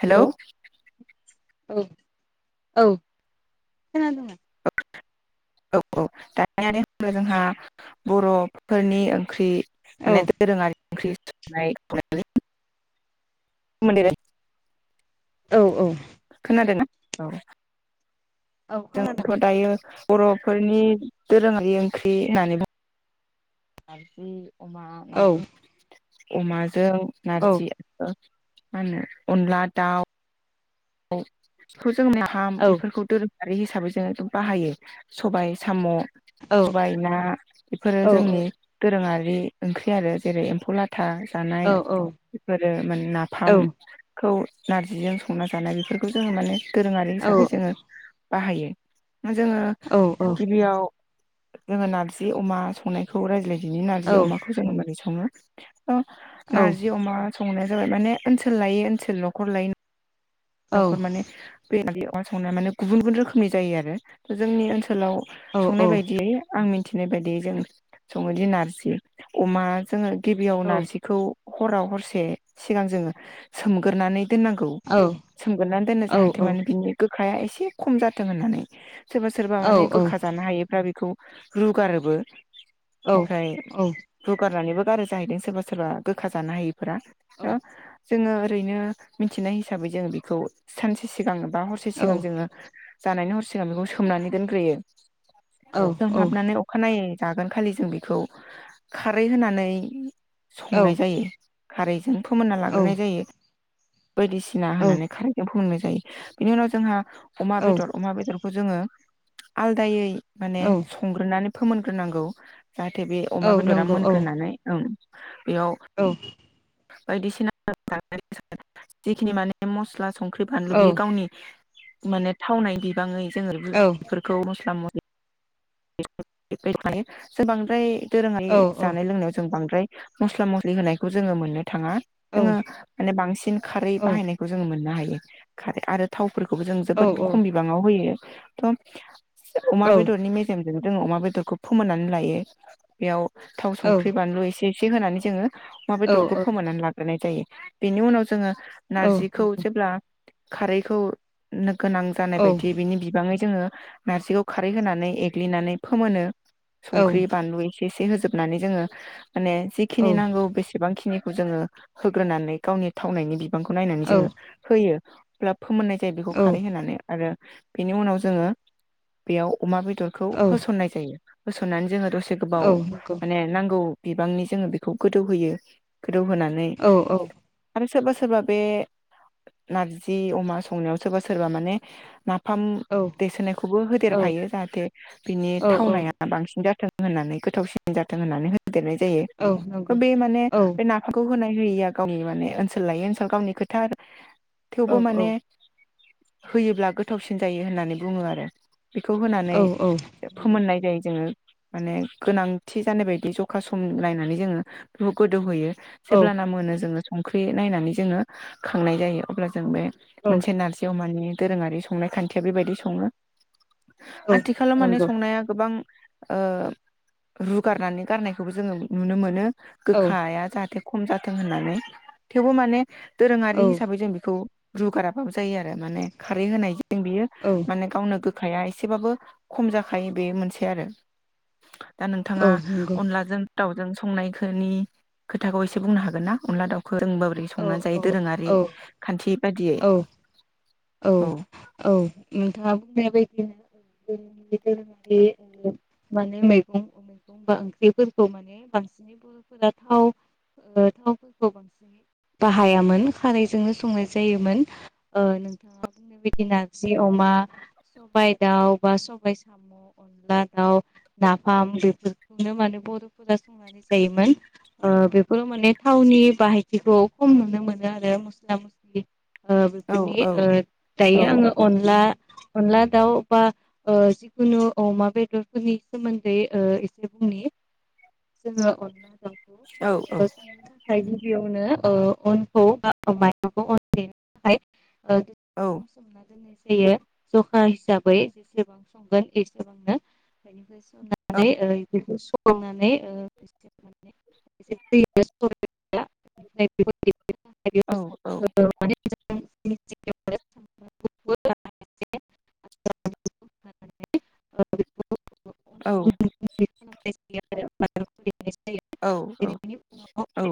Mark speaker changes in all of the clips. Speaker 1: Hello.
Speaker 2: औ औ। खोनादोंना?
Speaker 1: औ औ दानियानो जोंहा बर'फोरनि ओंख्रि
Speaker 2: औ
Speaker 1: माने दोरङार ओंख्रि स'नाय मोनदेरो
Speaker 2: औ औ।
Speaker 1: खोनादोना औ।
Speaker 2: औ खोनादों।
Speaker 1: जोंथ' दायो बर'फोरनि दोरोङारि ओंख्रि होननानै बुं नारजि अ'मा
Speaker 2: औ
Speaker 1: नारजिं अ'मा जों
Speaker 2: औ
Speaker 1: नारजि ओ मानो अनला दाउ औ सुस जोंनिया हाम
Speaker 2: औ
Speaker 1: बेफोरखौ दोरो खारि हिसाबै जोङो बाहायो सबाय साम' सबाय ना बेफोरो
Speaker 2: औ
Speaker 1: जोंनि दोरोङार ए ओंख्रि आरो जेरै एम्फौ लाद था जानाय
Speaker 2: औ
Speaker 1: बेफोरो मान
Speaker 2: औ
Speaker 1: नाफामखौ नारजिजों संनाज दाना बेफोरखौ जोङो माने दोरोङारि हिसाबै जोङो बाहायो ना जोङो
Speaker 2: औ औ
Speaker 1: गिबियाव जोङो नारजि अमा संनायखौ रायज्लाय बिनि नारजि अमाखौ जो मोरै संयो ओ नारजि अ'मा संनो ओ माने ओनसोल लाय ओनसोल नखर लायायो न'खर
Speaker 2: औ
Speaker 1: माने [unintelligible] अमा संनाय माने गुबुन गुबुन रोखनिायो आरो जोंनि ओसो सोलाव संनाय बायदियै आं मि मिथिनाय बायदि जों सङोदि नारजि अमा जोङो गिबियाव नारजिखौ हराव हरसे सिगां जोङो सोमगोरानै दोनांगौ
Speaker 2: औ
Speaker 1: सोमगोरनानै दोनो जाहाथे माने बिनि गो खाया एसे खम जाथों होन्नानै सोरबा सोरबा माने गोखा जानो हायोफ्रा बेखौ रुगारोबो ओमफ्राय रुगारनानैबो बारा जाहैदों सोरबा सोरबा गोखा जानो हाय फरा ओ जोङो ओरैनो मिथिनाय हिसाबै जों बेखौ सानसे सिगां बा हरसे सिगां जोङो जानायनि हर सिगां बेखौ सोमनानै दोनग्रोयो। सोमहाबनानै अखानायै जागोन खालि जों बेखौ खारै होनानै संनाय जायो। खारैजों फोमोनना लाग्रोनाय जायो [unintelligible] [unintelligible] होनानै खारखौ फोमोनाय जायो बिनि उनाव जोंहा
Speaker 2: औ
Speaker 1: अमाबेदर अमााबदर खौ जोङो आलदायै
Speaker 2: औ
Speaker 1: माने संग्रोनानै फोमोनग्रोनांगौ जाहाथे बे
Speaker 2: औ
Speaker 1: अमा बेदरा
Speaker 2: नंगौ औ
Speaker 1: मोनग्रोनानै ओं बेयाव
Speaker 2: औ
Speaker 1: बायदिसिना [unintelligible] जिखिनि माने मस्ला सं ख्रि बानलु
Speaker 2: औ
Speaker 1: बि गावनि माने थावनाय गोबाङै
Speaker 2: औ
Speaker 1: जोङोफोरखौ मस्ला मस्लि [unintelligible] बांद्राय दोरोङारि
Speaker 2: औ
Speaker 1: जानाय लोंनायाव जों बांद्राय मस्ला मस्लि होनायखौ जोङो मोनो थाङा
Speaker 2: औ
Speaker 1: जोङो माने बांसिन खारै बाहायनायखौ जोङो मोननो हायो। खारै आरो थाव फोरखौबो जों जोबोद खम बिबाङाव होयो थ अमा बेदर'नि मेजेम जोङो अमा बेदरखौ फोमोननानै लायो बेयाव थाव संख्रि बानलु एसे एसे होनानै जोङो अमा बेदर फोमोननानै लाग्रोनाय जायो बेनि उनाव जोङो नारजिखौ जेब्ला खारैखौ नो गोनां जानाय
Speaker 2: औ
Speaker 1: बायदि बिनि बिबाङै जोङो नारजिखौ खारै होनानै एग्लिनानै फोमोनो
Speaker 2: औ
Speaker 1: संख्रि बानलुनि एसे एसे होजोबनानै जोङो माने
Speaker 2: औ
Speaker 1: जिखिनि नांगौ बेसेबांखि जोङो होग्रोनानै गावनि थावनायनि बि बिबांखौ नायनानै
Speaker 2: औ
Speaker 1: जोङो होयो [inaudible] फोमोननाय जायो बेखौ
Speaker 2: औ
Speaker 1: खारै होनानै आरो बेनि उनाव जोङो बेयाव अमा बेदरखौ
Speaker 2: औ
Speaker 1: होसननाय जायो। होसननानै जोङो द से गोबाव
Speaker 2: औ नंगौ
Speaker 1: माने नांगौ बिबांनि जोङो बेखौ गोदौ होयो। रौ होनानै
Speaker 2: औ औ
Speaker 1: सोरबा सोरबा बे नारजि अमा संनायाव सोरबा सोरबा माने ना फाम
Speaker 2: औ
Speaker 1: दैसोनायखौबो
Speaker 2: औ
Speaker 1: होदेरफायो जाहाथे बिनि
Speaker 2: औ
Speaker 1: थावनाया बांसिन जाथों होननानै गोथावसिन जाथों होननानै होदेरनाय
Speaker 2: औ
Speaker 1: जायो
Speaker 2: नंगौ
Speaker 1: बे माने
Speaker 2: औ
Speaker 1: खौ होनाय होयिया गावनि माने ओनसोल लायै ओनसोल गावनि खोथा
Speaker 2: औ
Speaker 1: थेवबो
Speaker 2: औ
Speaker 1: माने होयोब्ला गोथावसिन जायो होननानै बुङो आरो। बेखौ होनानै
Speaker 2: औ नंगौ
Speaker 1: फोमोननाय जायो जोङो। माने गोनांथि जानाय बायदि जखा सम नायनानै जोङो बेखौ गोदौहोयो।
Speaker 2: औ
Speaker 1: जेब्लाना मोनो जोङो संख्रि नायनानै जोङो खांनाय जायो अब्ला जों बे
Speaker 2: औ
Speaker 1: मोनसे नारजि अमानि दोरोङारि संनाय खान्थिया बेबायदि सङो
Speaker 2: औ
Speaker 1: आथिखालाव माने
Speaker 2: नंगौ
Speaker 1: संनाया गोबां ओ रुगारनानै गारनायखौबो जोङो नुनो मोनो
Speaker 2: औ
Speaker 1: गोखाया जाहाथे खम जाथों होननानै थेवबो माने दोरोङारि
Speaker 2: औ
Speaker 1: हिसाबै जों बेखौ रुगाराबाबो जायो आरो माने खारै होनाय जों बियो
Speaker 2: औ औ
Speaker 1: माने गावनो गो खाया एसेबो खम जाखायो बे मोनसे आरो दा
Speaker 2: नंगौ
Speaker 1: नोंथाङा
Speaker 2: औ
Speaker 1: अनलाजों दाउजों संनायखौनि खोथाखौ एसे बुंनो हागोन ना अनला दाउ फोरोंबा बोरै संनानै जायो
Speaker 2: औ
Speaker 1: दोरोङारि
Speaker 2: औ
Speaker 1: खान्थि बादियै
Speaker 2: औ औ औ [unintelligible] जायोमोन ओ नोंथाङा बुंनो बायदि नारजि अमा सबाइ दाउ बा सबाइ साम' अनला दाउ नाफाम बेफोरखौनो माने बर'फोरा संनानै जायोमोन ओ बेफोराव माने थावनि बाहायथिखौ खम नुनो मोनो आरो मस्ला [unintelligible] ओ
Speaker 1: औ
Speaker 2: बेफोरनि
Speaker 1: औ
Speaker 2: ओ
Speaker 1: औ
Speaker 2: दायो आङो अनला अनला दाउ बा ओ जिखुनु अमा बेदरफोरनि सोमोन्दै एसे बुंनि जोङो अनला
Speaker 1: औ औ
Speaker 2: [unintelligible] बेयावनो ओ अनखौ बाइ [unintelligible] [unintelligible]
Speaker 1: औ
Speaker 2: सोमना दोन्नाय जायो जायो जखा हिसाबै जेसेबां संगोन एसेबांनो बेनिफ्राय
Speaker 1: औ
Speaker 2: होननानै
Speaker 1: औ
Speaker 2: [unintelligible] [unintelligible]
Speaker 1: औ
Speaker 2: औ माने [inaudible] [inaudible] [unintelligible]
Speaker 1: औ औ औ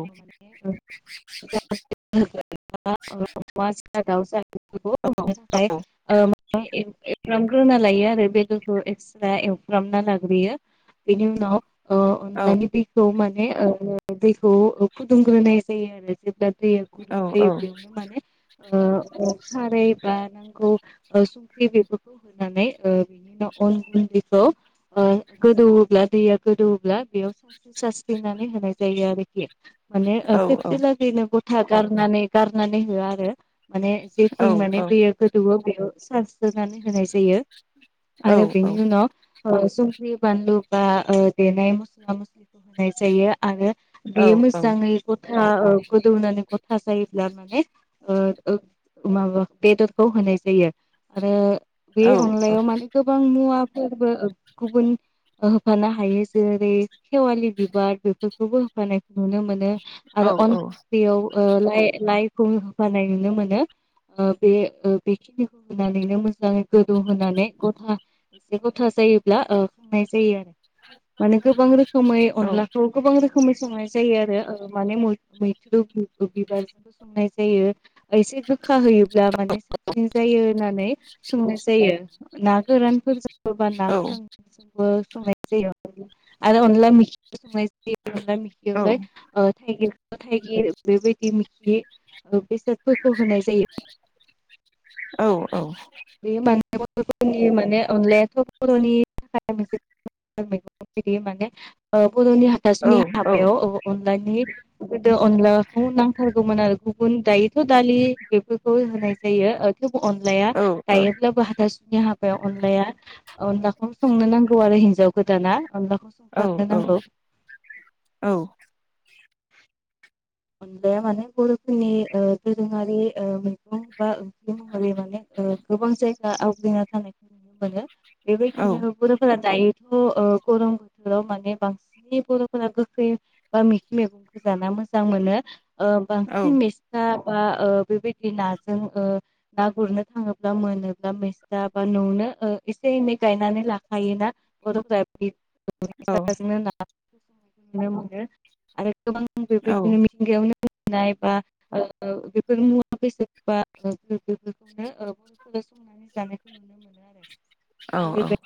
Speaker 2: [unintelligible] दावसा [unintelligible] एवग्रामग्रोना लायो आरो बेदरखौ एक्सट्रा एवफ्र्रामना लाग्रोयो बेनि उनाव अ अनलानि बेखौ माने दैखौ फुदुंग्रोनाय जायो आरो जेब्ला दैया
Speaker 1: औ
Speaker 2: गुदुं जायो बेयावनो माने अ खारै बा नांगौ संख्रि बेफोरखौ होनानै बिनि उनाव अन गुन्दैखौ गोदौवोब्ला दैया गोदौवोब्ला बेयाव सारस्रि सारस्रिनानै होनाय जायो आरोखि माने
Speaker 1: औ
Speaker 2: खेबसेलागैनो थागाम नानै गारनानै हो आरो माने जेथिं माने
Speaker 1: औ
Speaker 2: दैया गोदौओ बेयाव सारस्रोनानै होनाय जायो
Speaker 1: औ
Speaker 2: आरो
Speaker 1: औ
Speaker 2: बिनि
Speaker 1: औ औ
Speaker 2: उनाव ओ संख्रि बानलु बा ओ देनाय मस्ला मस्लिखौ होनाय जायो आरो बेयो
Speaker 1: औ
Speaker 2: मोजाङै गथा ह ओ गोदौनानै थास इ ला [unintelligible] माने माबा बेदरखौ होनाय जायो आरो बे अनलायाव माने गोबां मुवा फोरबो ओ गुबुन होफानो हायो जेरै खेवालि बिबार बेफोरखौबो होफानायखौ नुनो मोनो। आरो अन फावरि आव। ओह लाय-लायफ खौ होफानाय नुनो मोनो ओ बे ओ बेखिनिखौ होनानै मोजाङै गोदौ होनानै गथा एसे गथा जायोब्ला ओह खांनाय जायो आरो। माने गोबां रोखोमै अनलाखौ गोबां रोखो खोमै संनाय जायो आरो ओह माने मैथ-मैथुखौ। बिबारजोंबो संनाय जायो ओ एसे गोख खा होयोब्ला माने साबसिन जायो। होनानै संनाय जायो ना गोरानफोरजों सोरबा ना गोथां जों संङो। संनाय जायो आरो अनला मिखिबो संनाय जायो। बे अनला मिखियावलाय ओह थाइगिर ओ थाइगिर बेबायदि मिखि ओह बेसोद फोरखौ होनाय जायो।
Speaker 1: औ औ।
Speaker 2: बे मान [unintelligible] फोरनि माने अनलायाथ बरनि थाखाय मोनसे मैगं माने [unintelligible] बरनि हाथासुनि हाबायाव औ अन अनलानि गोदो अनलाखौ नांथारगौमोन आरो गुबुन दायोथ दालि बेफोरखौ होनाय जायो ओ। थेवबो अनलाया जायोब्लाबो हाथा सुनि हाबायाव अनलाया अनलाखौनो संनो नांगौ आरो हिन्जाव गोदाना। अनलाखौ संथारनो नांगौ। अनलाया माने बरफोरनि ओ दोरोङारि ओह मैगं बा ओ। [unintelligible] माने ओ। गोबां जायगा आवग्रिना थानायखौ नुनो मोनो। बेबायदिनो बरफोरा दायो फो ओह गरम बोथोराव माने बांसिनै बरफोरा गोखै बा मिखि मैगंखौ जाना मोजां मोजां मोनो। ओह बांसिन मिस्था। बा ओ बेबायदि नाजों ओ ना गुरनो थाङोब्ला मोनोब्ला मिस्था बा ननो ओ एसे एनै गायनानै लाखायोना बरफ्रा बिब [unintelligible] [unintelligible] मोनो आरो गोबां बेबाय जोंनि बेयावनो नाय बा बेफोर मुवा बेसाद बा बेफोरखौनो बर'फोरा संनानै जानायखौ नुनो मोनो आरो
Speaker 1: औ औ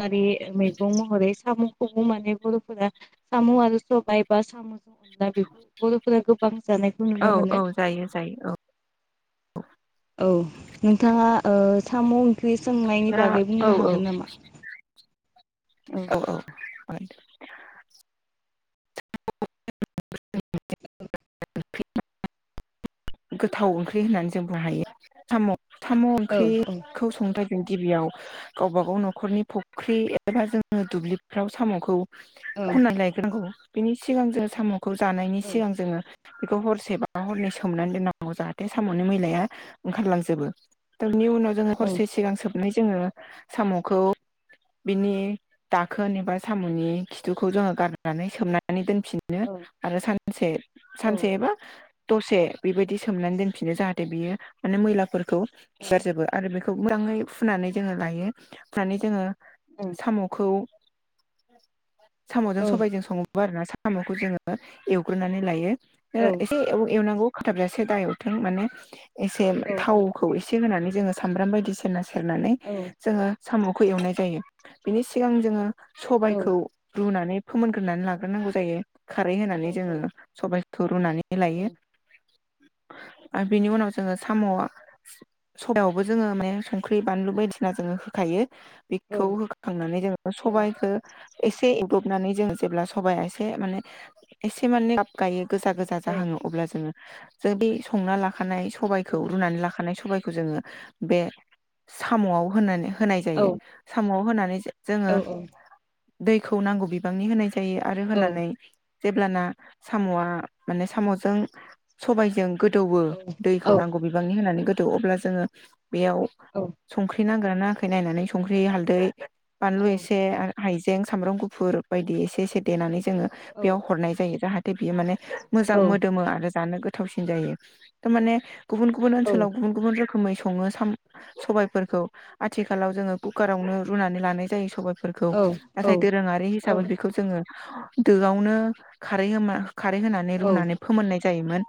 Speaker 2: कारि मैगं महरै साम'खौबो माने बर'फोरा साम' आरो सबाय बा सामो [unintelligible]
Speaker 1: औ औ जायो जायो औ
Speaker 2: औ नोंथाङा ओ साम' ख्रि सोंनायनि
Speaker 1: दा
Speaker 2: बागै
Speaker 1: औ
Speaker 2: बुंनो
Speaker 1: औ
Speaker 2: हागोन नामा?
Speaker 1: औ औ जागोन दे
Speaker 2: [unintelligible]
Speaker 1: [unintelligible] गोथाव ओंख्रि होननानै जों बुंनो हायो साम' थाम'
Speaker 2: औ औ
Speaker 1: ओंख्रिखौ संथ गिबियाव गावबा गाव न'खरनि फुख्रि एबा जोङो दुब्लिफ्राव साम'खौ
Speaker 2: औ
Speaker 1: खनना लायनांगौ बिनि सिगां जो साम' खौ जानायनि
Speaker 2: औ
Speaker 1: सिगां जोङो बेखौ हरसे बा हरनै सोमनानै दोननांगौ जाहाथे साम'नि मैलाया ओंखारलांजोबो बिनि उनाव जोङो हरसे सिगां सोबनाय जोङो साम'खौ बिनि दाखोन एबा साम'नि खिथुखौ जोङो गारनानै सोमना नानै दोनफिनो आरो सानसे
Speaker 2: औ
Speaker 1: सानसेबा दसे बेबायदि सोमनानै दोनफिनो जाहाथे बियो माने मैलाफोर खौ
Speaker 2: औ
Speaker 1: खिसार जोबो आरो बे खौ उदाङै फुनानै जोङो लायो फुनानै जोङो
Speaker 2: औ
Speaker 1: साम'खौ [inaudible]
Speaker 2: औ
Speaker 1: साम'जों सबायजों सङो आरोना साम'खौ जोङो एवग्रोनानै लायो ओ
Speaker 2: औ
Speaker 1: एसे एव-एवनांगौ खाथाबजासे दा एवथों माने एसे
Speaker 2: औ
Speaker 1: थावखौ एसे होनानै जोङो साम्राम बायदिेरना सेरनानै
Speaker 2: औ
Speaker 1: जोङो साम'खौ एवनाय जायो बिनि सिगां जोङो
Speaker 2: औ
Speaker 1: सबायखौ रुनानै फोमोनग्रोनानै लाग्रोनांगौ जायो खारै होनानै
Speaker 2: औ
Speaker 1: जोङो
Speaker 2: औ
Speaker 1: सबाय थरुनानै लायो आर बिनि उनाव जोङो साम' सायावबो जोङो माने संख्रि बानलु बायदिसिना जोङो होखायो
Speaker 2: औ
Speaker 1: बेखौ होखखांनानै जोङो सबाइखो एसे एदबनानै जों जेब्ला सबाया एसे माने एसे माने गाब गायो गोजा गोजा जाहाङो अब्ला जों जों बे संना लाखानाय सबायखौ रुनानै लाखानाय सम सबायखौ जोङो बे साम'आव होनानै होनाय जायो साम' होनानैसो
Speaker 2: औ
Speaker 1: जोङो दैखौ नांगौ बिबांनि होनाय जायो जायो आरो होनानै जेब्लाना साम'आ माने साम'जों सबायजों गोदौवो दैखौ नांगौ बिबांनि होनानै थ अब्ला जोङो बेयाव संख्रि नांगौ नांदोंना नाङाखै नायनानै संख्रि हालदै बानलु एसे आरो हाइजें सामब्राम गुफुर बायदि एसे एसे देनानै जोङो बेयाव हरनाय जायो जाहाथे दे बियो माने मोजां मोदोमो आर जानो गोथावसिन जायो था माने गुबुन गुबुन ओनसोलाव गुबुन गुबुन रो रोखोमै संङो साम सबायफोरखौ आथिखालाव जोंङो कुकारावनो रुनानै लानाय जायो सबाय फोरखौ नाथाय
Speaker 2: औ औ
Speaker 1: दोरोंङारि हिसाबै बेखौ जोंङो दोआवनो खारै होमा खारै होनानै रुनानै फोमोननाय जायोमोन।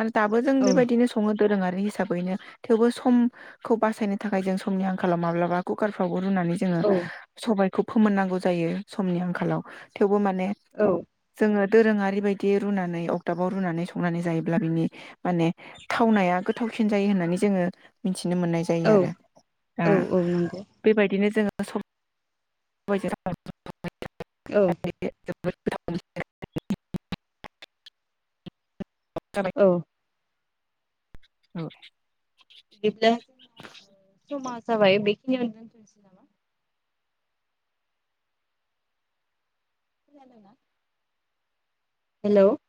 Speaker 1: आरो दाबो जों बेबायदिनो संङो दोरोंङारि हिसाबैनो थेवबो समखौ बासायनो थाखाय जों समनि आंखालाव माब्लाबा कुकारफ्राव रुनानै जोंङो सबाय खौ फोमोननांगौ जायो समनि आंखालाव थेवबो माने
Speaker 2: औ
Speaker 1: ङो दोरोंङारि बायदि रुनानै अदाबाव रुनानै सं संनानै जायोब्ला बिनि माने थावनाया गोथावसिन जायो होननानै जो मिथि नो मोननाय जायो आरो। आ
Speaker 2: नंगौ
Speaker 1: बेबायदिनो जोंङो
Speaker 2: औ
Speaker 1: [unintelligible] [unintelligible] [unintelligible] [unintelligible]
Speaker 2: औ
Speaker 1: औ
Speaker 2: दिब्ला समा जाबाय बेखिनियावनो दोनथ'नोसै खोनादोंना? हेलोव